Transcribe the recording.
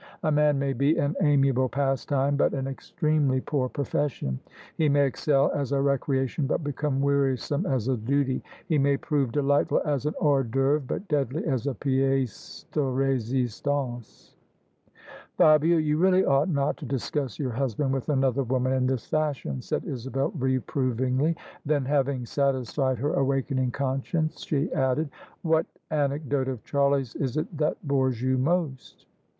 A man may be an admirable pastime but an extremely poor profession. He may excel as a recreation but become wearisome as a duty. He may prove delightful as an A or; d'ceuvre, but deadly as a piece de resistance," " Fabia, you really ought not to discuss your husband with another woman in this fashion/' said Isabel reprov ingly; then — Shaving satisfied her awakening conscience — she added, "What anecdote of Charlie's is it that bores you most?"